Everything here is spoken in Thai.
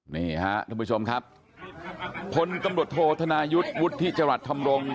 นี่ฮะทุกผู้ชมครับผลตำรวจโทษโทษนายุทธิจรรย์ธรรมลงศ์